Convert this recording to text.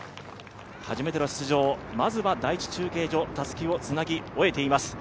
初めての出場、まずは第１中継所、たすきをつなぎ終えています。